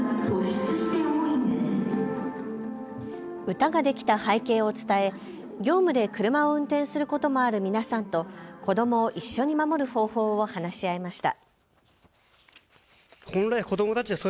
歌ができた背景を伝え業務で車を運転することもある皆さんと子どもを一緒に守る方法を話し合いました。